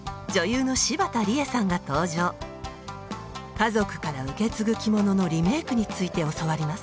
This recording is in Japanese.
家族から受け継ぐ着物のリメイクについて教わります。